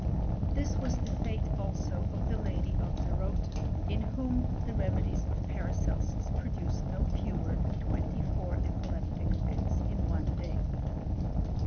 This was the fate also of the lady of Zerotin, in whom the tvmedies of Paracelsus produced no fewer than twenty four epileptic fits in one day.